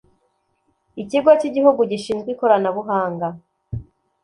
ikigo cy'igihugu gishinzwe ikoranabuhanga